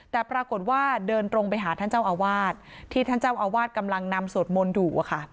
แต่ปรากฏว่าเดินตรงไปหาท่านเจ้าอาวาสที่ท่านเจ้าอาวาสกำลังนำสวดมนต์อยู่